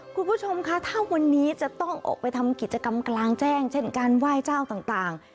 คุณผู้ชมคะถ้าวันนี้จะต้องออกไปทำกิจกรรมกลางแจ้งเช่นการไหว้เจ้าต่าง